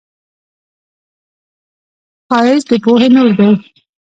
ښایست د پوهې نور دی